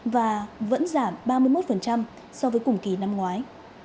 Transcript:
và vẫn giảm ba mươi một so với cùng kỳ năm ngoái